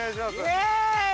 ◆イエーイ！！